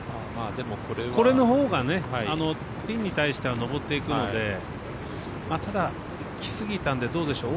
これのほうがピンに対しては上っていくのでただ、きすぎたんでどうでしょう。